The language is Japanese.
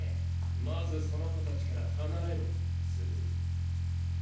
まずその子たちから離れろ傑。